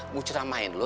mau cerah main lo